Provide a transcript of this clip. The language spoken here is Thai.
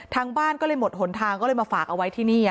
ทางบ้านก็เลยหมดหนทางก็เลยมาฝากเอาไว้ที่นี่